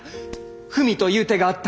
文という手があった。